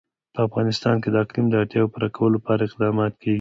په افغانستان کې د اقلیم د اړتیاوو پوره کولو لپاره اقدامات کېږي.